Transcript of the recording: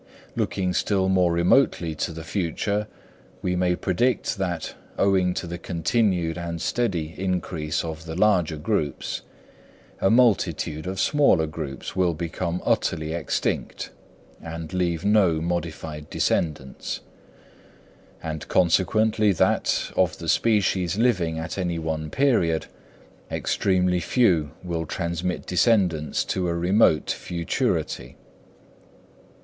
Looking still more remotely to the future, we may predict that, owing to the continued and steady increase of the larger groups, a multitude of smaller groups will become utterly extinct, and leave no modified descendants; and consequently that, of the species living at any one period, extremely few will transmit descendants to a remote futurity.